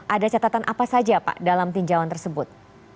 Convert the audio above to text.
ada catatan apa saja pak dalam tinjauan tersebut